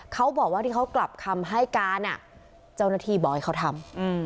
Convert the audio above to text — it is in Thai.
เขาบอกว่าที่เขากลับคำให้การเจ้าหน้าที่บอกให้เขาทำ